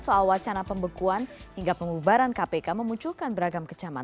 soal wacana pembekuan hingga pengubaran kpk memunculkan beragam kecaman